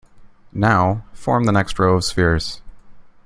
Now, form the next row of spheres.